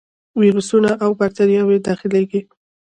ویروسونه او باکتریاوې داخليږي.